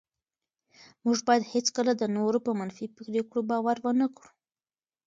موږ باید هېڅکله د نورو په منفي پرېکړو باور ونه کړو.